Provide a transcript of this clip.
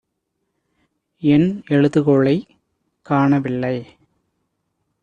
என் எழுதுகோலைக் காணவில்லை.